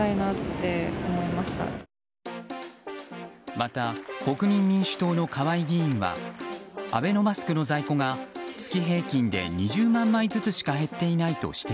また、国民民主党の川合議員はアベノマスクの在庫が月平均で２０万枚ずつしか減っていないと指摘。